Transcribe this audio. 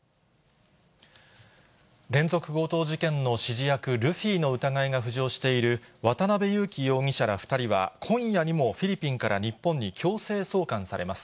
連続強盗事件の指示役、ルフィの疑いが浮上している渡辺優樹容疑者ら２人は、今夜にもフィリピンから日本に強制送還されます。